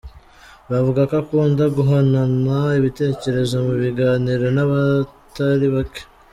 Bavuga ko akunda guhanahana ibitekerezo mu biganiro n’abatari bake.